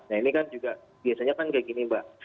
nah ini kan juga biasanya kan kayak gini mbak